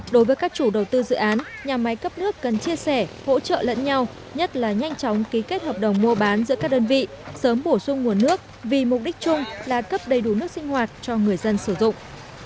đối với các chủ đầu tư dự án nhà máy cấp nước cần chia sẻ hỗ trợ lẫn nhau nhất là nhanh chóng ký kết hợp đồng mua bán giữa các đơn vị sớm bổ sung nguồn nước vì mục đích chung là cấp đầy đủ nước sinh hoạt cho người dân sử dụng